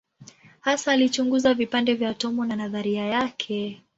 Hasa alichunguza vipande vya atomu na nadharia yake.